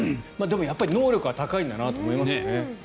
やっぱり能力が高いんだと思いますね。